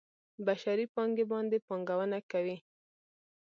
بشري پانګې باندې پانګونه کوي.